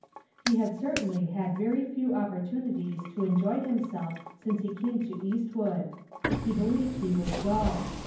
He had certainly had very few opportunities to enjoy himself since he came to Eastwood. He believed he would go.